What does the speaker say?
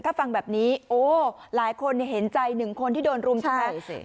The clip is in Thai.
ถ้าฟังแบบนี้โอ้หลายคนเห็นใจหนึ่งคนที่โดนรุมทำร้าย